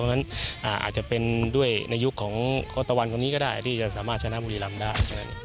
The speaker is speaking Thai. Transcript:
เพราะฉะนั้นอาจจะเป็นด้วยในยุคของโคตะวันคนนี้ก็ได้ที่จะสามารถชนะบุรีรำได้